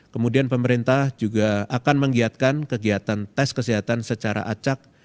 kemudian pemerintah juga akan menggiatkan kegiatan tes kesehatan secara acak